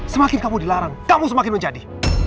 semakin kamu dilarang kamu semakin menjadi